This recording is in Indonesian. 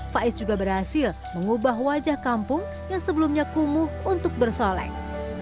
faiz juga berhasil mengubah wajah kampung yang sebelumnya kumuh untuk bersolek